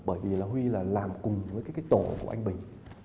bởi vì là huy là làm cùng với cái tổ của anh bình